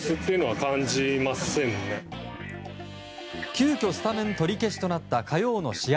急きょスタメン取り消しとなった火曜の試合